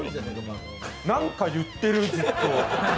何か言ってる、ずっと。